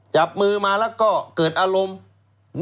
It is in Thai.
จับมือมาแล้วก็เกิดอารมณ์